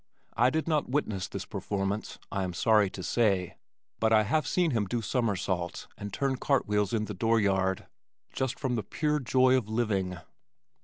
I did not witness this performance, I am sorry to say, but I have seen him do somersaults and turn cart wheels in the door yard just from the pure joy of living.